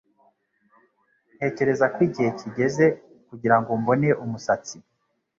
Ntekereza ko igihe kigeze kugirango mbone umusatsi.